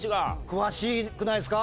詳しくないですか？